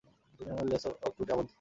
তুমি আমার lasso of ট্রুথে আবদ্ধ।